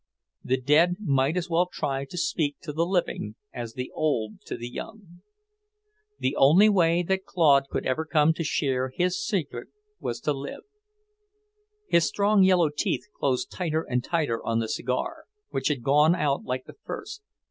The dead might as well try to speak to the living as the old to the young. The only way that Claude could ever come to share his secret, was to live. His strong yellow teeth closed tighter and tighter on the cigar, which had gone out like the first.